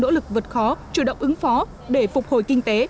thành phố hồ chí minh đang nỗ lực vượt khó chủ động ứng phó để phục hồi kinh tế